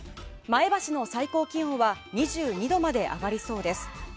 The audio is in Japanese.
前橋の最高気温は２２度まで上がりそうです。